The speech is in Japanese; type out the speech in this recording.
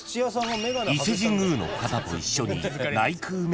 ［伊勢神宮の方と一緒に］